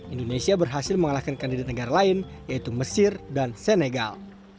indonesia berhasil mengalahkan kandidat negara lain yaitu mesir dan senegal